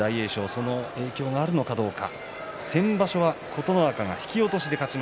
その影響があるのかどうか。